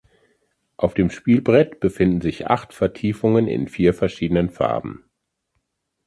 Auf dem Spielbrett befinden sich acht Vertiefungen in vier verschiedenen Farben.